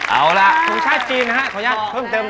เอาล่ะทรงชาติจีนนะฮะขออนุญาตเพิ่มเติม